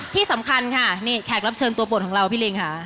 ที่สำคัญค่ะนี่แขกรับเชิญตัวโปรดของเราพี่ลิงค่ะ